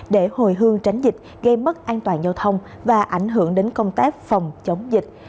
để hồi hương tránh dịch gây mất an toàn giao thông và ảnh hưởng đến công tác phòng chống dịch